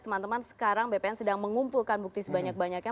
teman teman sekarang bpn sedang mengumpulkan bukti sebanyak banyaknya